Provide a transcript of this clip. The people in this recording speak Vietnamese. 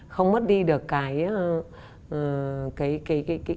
không mất đi được cái tín hiệm cũng như là cái đạo đức của mình